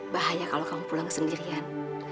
bahaya kalau kamu pulang sendirian